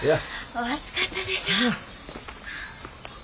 お暑かったでしょう。